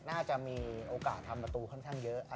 น่าจะมีโอกาสทำประตูค่อนข้างเยอะ